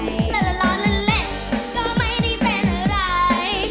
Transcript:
ละละละละเลก็ไม่ได้เป็นอะไร